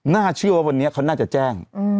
น่าเชื่อว่าวันนี้เขาน่าจะแจ้ง